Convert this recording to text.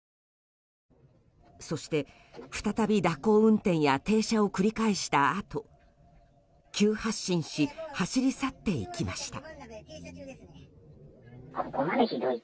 そして再び蛇行運転や停車を繰り返したあと急発進し走り去っていきました。